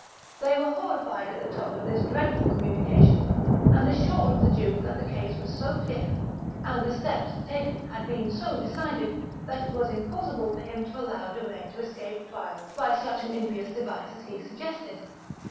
They were horrified at the tone of this dreadful communica tion, and assured the duke that the case was so clear, and the steps taken had been so decided, that it was impossible for him to allow De Ketz to escape trial by such an impious device as he suggested.